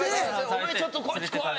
「お前ちょっとこっち来い！」